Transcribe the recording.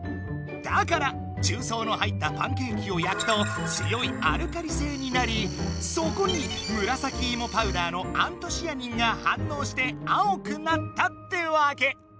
だからじゅうそうの入ったパンケーキを焼くと強いアルカリ性になりそこにむらさきいもパウダーのアントシアニンが反応して青くなったってわけ！